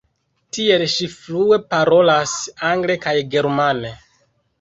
Tiel ŝi flue parolas angle kaj germane.